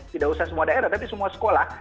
tidak usah semua daerah tapi semua sekolah